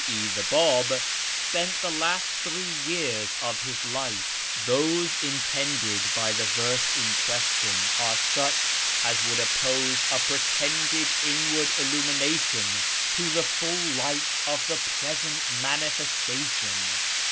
e. the Bab) spent the last three years of his life. Those intended by the verse in question 326 A YEAR AMONGST THE PERSIANS lire sucli as would oppose a pretended inward illnniination to the full light ol" the present ' manifestation.'